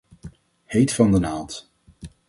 Heet van de naald.